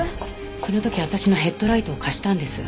その時私のヘッドライトを貸したんです。